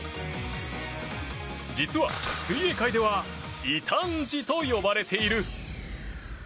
実は、水泳界では異端児と呼ばれている。